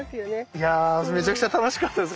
いやめちゃくちゃ楽しかったです